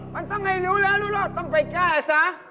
มันต้องให้รู้แล้วต้องไปก้าซะ